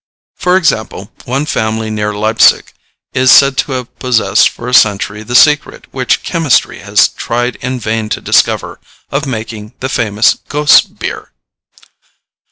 For example, one family near Leipsic is said to have possessed for a century the secret which chemistry has tried in vain to discover, of making the famous Gose beer.